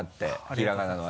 ひらがなが。